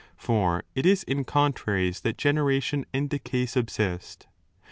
For it is in contraries that generation and decay subsist.